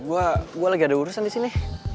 gue lagi ada urusan di sini